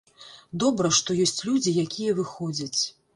Добра, што ёсць людзі, якія выходзяць.